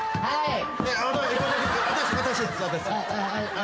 はい！